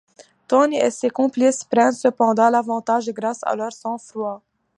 Tony et ses complices prennent cependant l'avantage grâce à leur sang-froid.